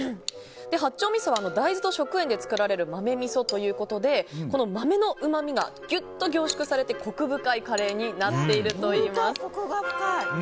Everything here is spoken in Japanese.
八丁みそは大豆と食塩で作られる豆みそということで豆のうまみがギュッと凝縮されてコク深いカレーになっているといいます。